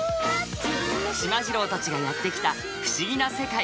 しまじろうたちがやってきた不思議な世界。